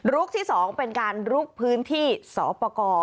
ที่๒เป็นการลุกพื้นที่สอปกร